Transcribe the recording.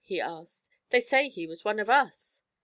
he asked. 'They say he was one of us.'